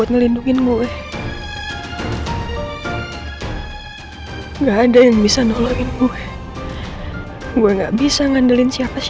gue gak boleh mati